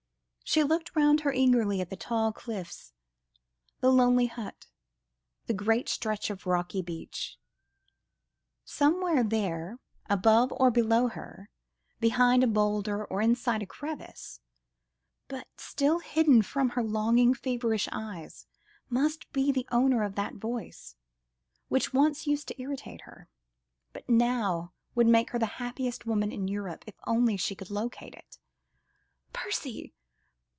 She looked round her eagerly at the tall cliffs, the lonely hut, the great stretch of rocky beach. Somewhere there, above or below her, behind a boulder or inside a crevice, but still hidden from her longing, feverish eyes, must be the owner of that voice, which once used to irritate her, but which now would make her the happiest woman in Europe, if only she could locate it. "Percy!